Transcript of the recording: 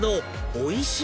おいしい！